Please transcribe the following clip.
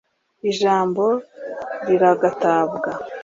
ijambo liragatabwa